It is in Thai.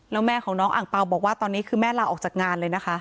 แล้วแม่ของน้องอังเปล่าบอกว่าตอนนี้คือแม่ลาออกจากงานเลยนะคะ